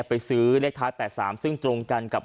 ไปซื้อเลขท้าย๘๓ซึ่งตรงกันกับ